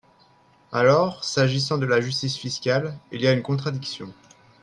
Alors, s’agissant de la justice fiscale, il y a une contradiction.